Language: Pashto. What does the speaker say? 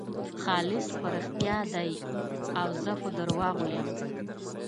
خالص په رښتیا دی او زه په درواغو یم.